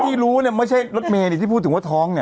ที่รู้เนี่ยไม่ใช่รถเมย์ที่พูดถึงว่าท้องเนี่ย